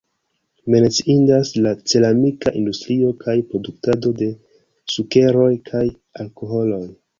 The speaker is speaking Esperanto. Menciindas la ceramika industrio kaj produktado de sukeroj kaj alkoholoj.